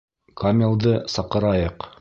Камилды саҡырайыҡ.